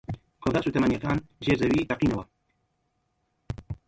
قەرار وا بوو دەوڵەت لە جێگەیەکەوە هێرشێکی بەرپان بکا